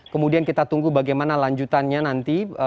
kemudian kita tunggu bagaimana lanjutannya nanti